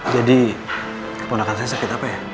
jadi keponakan saya sakit apa ya